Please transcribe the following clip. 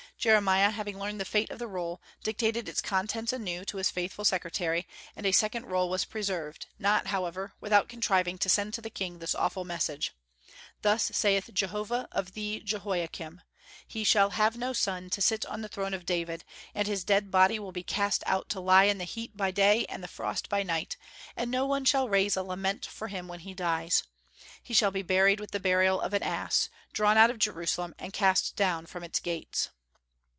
Jeremiah having learned the fate of the roll, dictated its contents anew to his faithful secretary, and a second roll was preserved, not, however, without contriving to send to the king this awful message. "Thus saith Jehovah of thee Jehoiakim: He shall have no son to sit on the throne of David, and his dead body will be cast out to lie in the heat by day and the frost by night; and no one shall raise a lament for him when he dies. He shall be buried with the burial of an ass, drawn out of Jerusalem, and cast down from its gates."